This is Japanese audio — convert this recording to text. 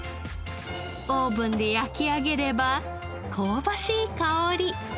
オーブンで焼き上げれば香ばしい香り。